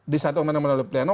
di satu omongan melalui pleno